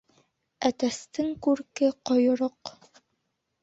Әтәстең күрке ҡойроҡ.